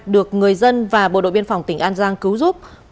được người dân và bộ đội biên phòng tỉnh an giang cứu giúp